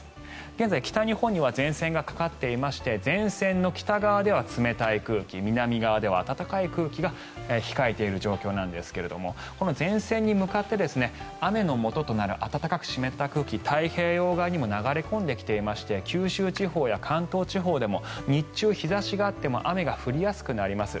現在、北日本には前線がかかっていまして前線の北側では冷たい空気南側では暖かい空気が控えている状況ですがこの前線に向かって雨のもととなる暖かく湿った空気、太平洋側にも流れ込んできていまして九州地方や関東地方でも日中、日差しがあっても雨が降りやすくなります。